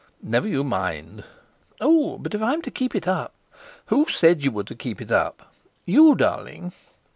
"Never you mind." "Oh! But if I'm to keep it up?" "Who said you were to keep it up?" "You, darling."